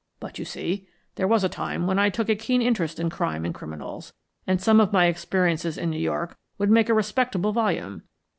But you see, there was a time when I took a keen interest in crime and criminals, and some of my experiences in New York would make a respectable volume.